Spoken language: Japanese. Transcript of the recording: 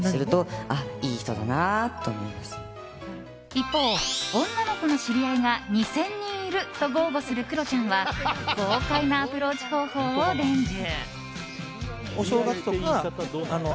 一方、女の子の知り合いが２０００人いると豪語するクロちゃんは豪快なアプローチ方法を伝授。